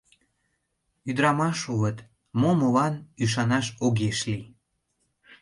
Ӱдырамаш улыт... мо молан... ӱшанаш огеш лий....